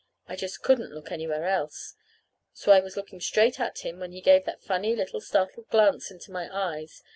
I just couldn't look anywhere else. So I was looking straight at him when he gave that funny little startled glance into my eyes.